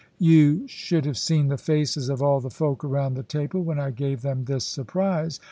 You should have seen the faces of all the folk around the table when I gave them this surprise.